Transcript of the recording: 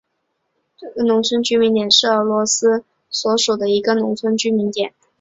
茹科沃农村居民点是俄罗斯联邦别尔哥罗德州阿列克谢耶夫卡区所属的一个农村居民点。